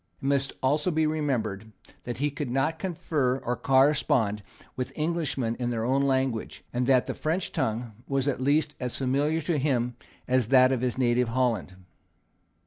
It must also be remembered that he could not confer or correspond with Englishmen in their own language, and that the French tongue was at least as familiar to him, as that of his native Holland.